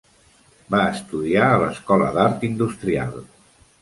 Va estudiar a l'Escola d'Art Industrial.